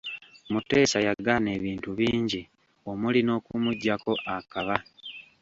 Muteesa yagaana ebintu bingi omuli n'okumuggyako akaba.